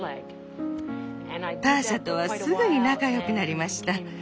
ターシャとはすぐに仲良くなりました。